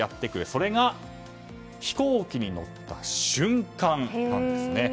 それが、飛行機に乗った瞬間なんですね。